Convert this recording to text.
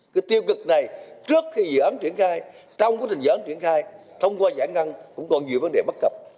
cái tiêu cực này trước khi dự án triển khai trong quá trình dự án triển khai thông qua giải ngân cũng còn nhiều vấn đề bất cập